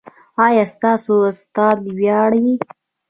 ایا ستاسو استادان ویاړي؟